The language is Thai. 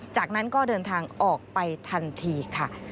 จากนั้นก็เดินทางออกไปทันทีค่ะ